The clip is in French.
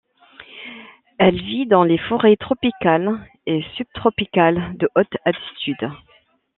Elle vit dans les forêts tropicales et subtropicales de haute altitude.